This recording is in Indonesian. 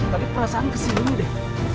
tadi perasaan kesini deh